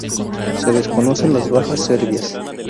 Se desconocen las bajas serbias.